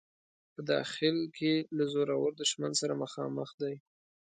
په داخل کې له زورور دښمن سره مخامخ دی.